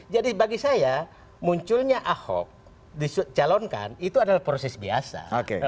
bagi saya munculnya ahok dicalonkan itu adalah proses biasa